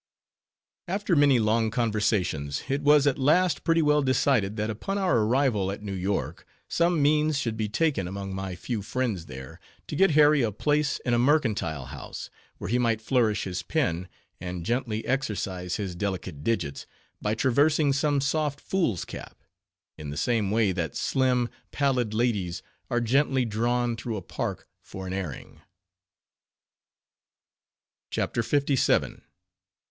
After many long conversations, it was at last pretty well decided, that upon our arrival at New York, some means should be taken among my few friends there, to get Harry a place in a mercantile house, where he might flourish his pen, and gently exercise his delicate digits, by traversing some soft foolscap; in the same way that slim, pallid ladies are gently drawn through a park for an airing. CHAPTER LVII.